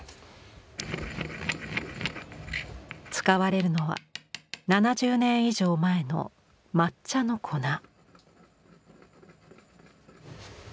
使われるのは７０年以上前の抹茶の粉。